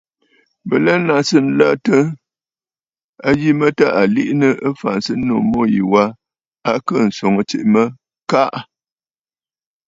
Bɨ lɛ nnaŋsə nlətə a yi mə tâ à liʼinə afǎnsənnǔ mû yì wa, a kɨɨ̀ ǹswoŋə tsiʼì mə “Kaʼa!”.